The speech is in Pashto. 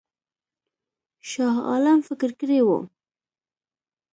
شاه عالم فکر کړی وو.